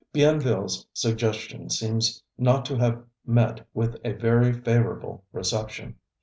" Bienville's suggestion seems not to have met with a very favorable reception.